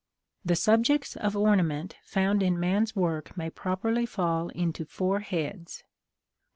The subjects of ornament found in man's work may properly fall into four heads: 1.